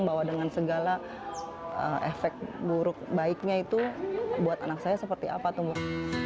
bahwa dengan segala efek buruk baiknya itu buat anak saya seperti apa tuh mbak